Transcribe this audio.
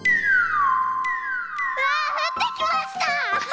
わあふってきました！